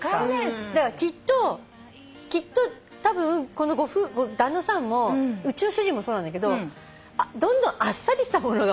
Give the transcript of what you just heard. だからきっとたぶんこの旦那さんもうちの主人もそうなんだけどどんどんあっさりしたものが。